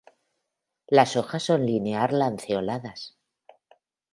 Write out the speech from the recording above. Las hojas son linear-lanceoladas.